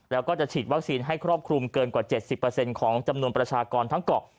แล้วก็จะฉีดวัคซีนให้ครอบคลุมเกินกว่า๗๐ของจำนวนประชากรทั้งเกาะ